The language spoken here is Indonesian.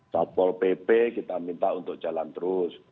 satpol pp kita minta untuk jalan terus